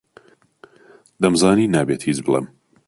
دەمزانی نابێت هیچ بڵێم.